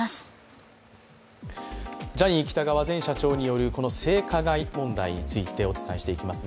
ジャニー喜多川前社長による性加害問題についてお伝えしていきます。